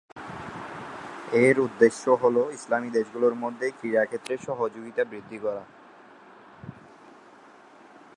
এর উদ্দেশ্য হল ইসলামী দেশগুলোর মধ্যে ক্রীড়া ক্ষেত্রে সহযোগিতা বৃদ্ধি করা।